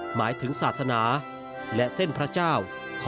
หมายถึงศาสนา